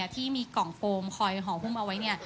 ที่มีกล่องโฟมคอยหอมพุ่มเอาไว้